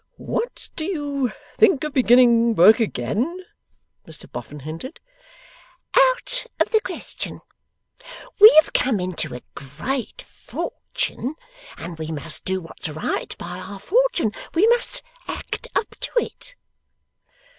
'What, do you think of beginning work again?' Mr Boffin hinted. 'Out of the question! We have come into a great fortune, and we must do what's right by our fortune; we must act up to it.